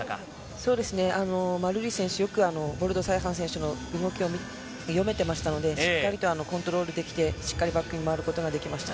そうですね、マルーリス選手、よくボルドサイハン選手の動きを読めてましたので、しっかりとコントロールできて、しっかりバックに回ることができました。